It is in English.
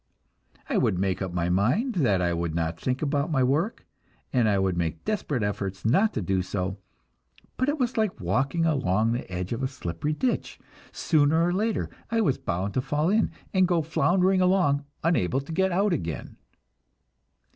I would make up my mind that I would not think about my work, and would make desperate efforts not to do so; but it was like walking along the edge of a slippery ditch sooner or later I was bound to fall in, and go floundering along, unable to get out again!